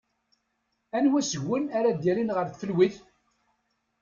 Anwa seg-wen ara d-yalin ɣer tfelwit?